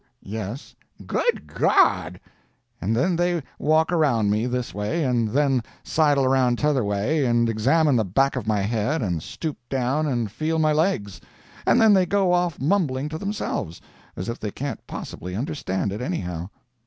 "Yes." "Good God!" And then they walk around me, this way, and then sidle around t'other way, and examine the back of my head, and stoop down and feel my legs. And then they go off mumbling to themselves, as if they can't possibly understand it, anyhow.